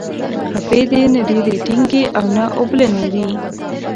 خپې دې نه ډیرې ټینګې او نه اوبلنې وي.